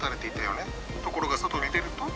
ところが外に出ると。